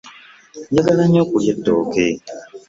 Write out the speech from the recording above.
Njagala nyo okulya etooke.